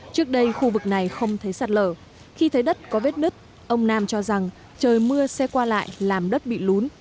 trước đây khu vực này không thấy sạt lở khi thấy đất có vết nứt ông nam cho rằng trời mưa xe qua lại làm đất bị lún